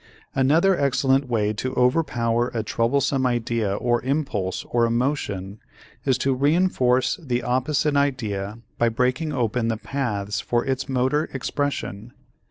Another excellent way to overpower a troublesome idea or impulse or emotion is to reënforce the opposite idea by breaking open the paths for its motor expression.